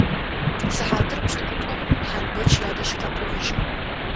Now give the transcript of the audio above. Сыхьатыр пшӏыкӏутӏум Хъанбэч ядэжь къэкӏожьы.